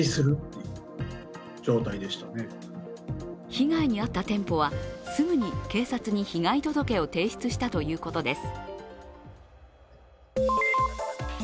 被害に遭った店舗はすぐに警察に被害届を提出したということです。